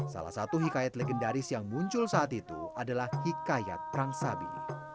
salah satu hikayat legendaris yang muncul saat itu adalah hikayat perang sabi